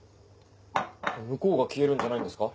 向こうが消えるんじゃないんですか？